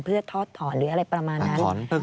เพื่อทอดถอนหรืออะไรประมาณนั้น